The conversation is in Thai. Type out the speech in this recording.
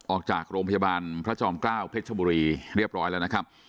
ออกจากโรงพยาบาลพระจอมเกล้าเพชรบุรีเรียบร้อยแล้วนะครับ